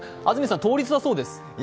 安住さん、倒立だそうです。